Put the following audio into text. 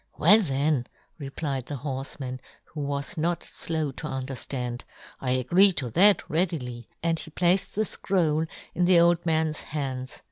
" Well then," replied the horfeman, who was not flow to underftand, " I agree to that " readily," and he placed the fcroll in the old man's hands.